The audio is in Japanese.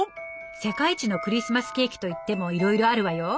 世界一のクリスマスケーキといってもいろいろあるわよ。